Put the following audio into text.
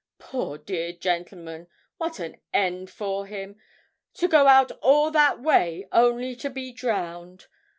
Poor dear gentleman, what an end for him to go out all that way only to be drowned!